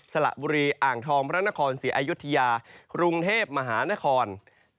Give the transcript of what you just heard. สละบุรีอ่างทองพระนครศรีอายุทยากรุงเทพมหานคร